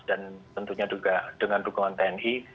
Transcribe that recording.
dan tentunya juga dengan dukungan tni